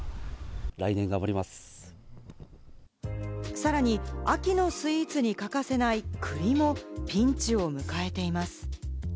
さらに秋のスイーツに欠かせない栗もピンチを迎えています。